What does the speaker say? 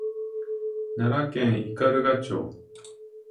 奈良県斑鳩町